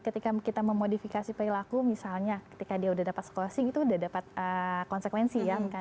ketika kita memodifikasi perilaku misalnya ketika dia udah dapat skosing itu udah dapat konsekuensi ya